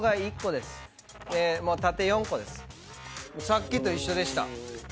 さっきと一緒でした。